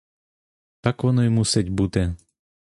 Так воно й мусить бути.